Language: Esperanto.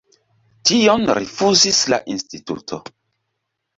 Tion rifuzis la instituto.